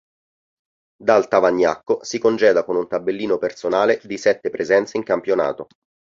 Dal tavagnacco si congeda con un tabellino personale di sette presenze in campionato.